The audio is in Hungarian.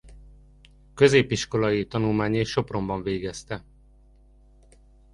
Középiskolai tanulmányait Sopronban végzete.